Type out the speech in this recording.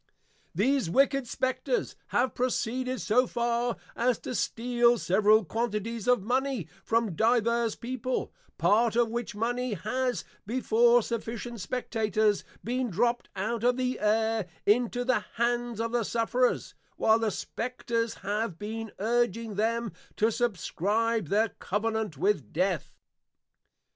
These wicked Spectres have proceeded so far, as to steal several quantities of Mony from divers people, part of which Money, has, before sufficient Spectators, been dropt out of the Air into the Hands of the Sufferers, while the Spectres have been urging them to subscribe their Covenant with Death.